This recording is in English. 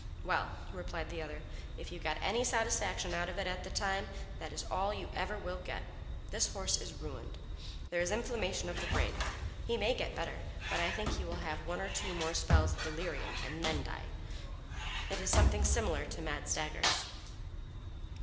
"Well," replied the other, "if you got any satisfaction out of it at the time it is all you ever will get. This horse is ruined. There is inflammation of the brain. He may get better, but I think he will have one or two more spells of delirium and then die. It is something similar to mad staggers."